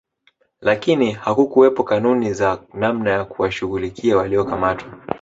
Lakini hakukuwepo kanuni za namna ya kuwashughulikia waliokamatwa